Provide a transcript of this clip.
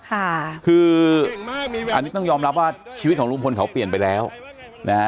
ค่ะคืออันนี้ต้องยอมรับว่าชีวิตของลุงพลเขาเปลี่ยนไปแล้วนะฮะ